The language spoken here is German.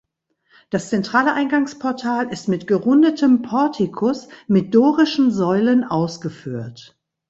Das zentrale Eingangsportal ist mit gerundetem Portikus mit dorischen Säulen ausgeführt.